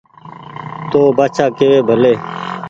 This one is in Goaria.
تو ن بآڇآ ڪيوي ڀلي